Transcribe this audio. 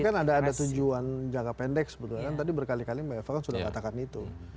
tapi kan ada tujuan jangka pendek sebetulnya kan tadi berkali kali mbak eva kan sudah katakan itu